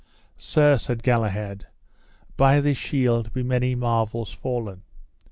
Sir, said Galahad, by this shield be many marvels fallen.